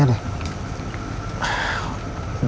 jaycee udah pergi noh